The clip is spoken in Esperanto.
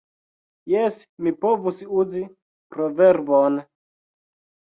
Jes! Mi povus uzi proverbon!